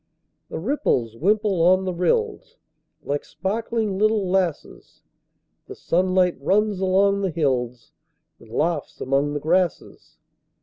The ripples wimple on the rills, Like sparkling little lasses; The sunlight runs along the hills, And laughs among the grasses.